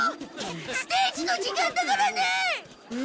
ステージの時間だからね！